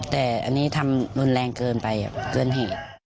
แต่อันนี้ทำรุนแรงเกินไปเกินเหตุ